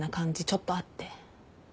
ちょっとあって。